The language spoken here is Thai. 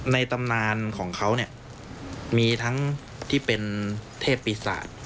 ในตำนานของเขามีทั้งที่เป็นเทพศพิสัย